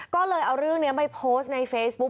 ก็เลยเอาเรื่องนี้ไปโพสต์ในเฟซบุ๊ค